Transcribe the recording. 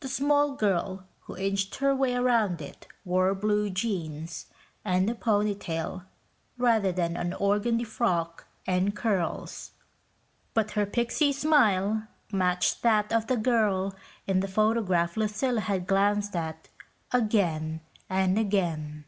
The small girl who inched her way around it wore blue jeans and a pony tail rather than an organdy frock and curls, but her pixie smile matched that of the girl in the photograph Lucilla had glanced at again and again.